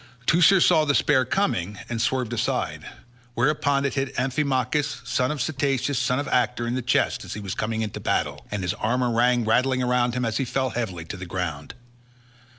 Teucer saw the spear coming and swerved aside, whereon it hit Amphimachus, son of Cteatus son of Actor, in the chest as he was coming into battle, and his armour rang rattling round him as he fell heavily to the ground.